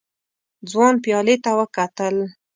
ځوان پيالې ته وکتل.